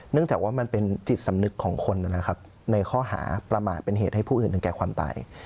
จากว่ามันเป็นจิตสำนึกของคนนะครับในข้อหาประมาทเป็นเหตุให้ผู้อื่นถึงแก่ความตาย